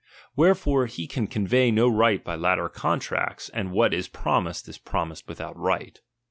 Wherefore he ■ can convey no right by latter contracts, and what is promised is promised without right.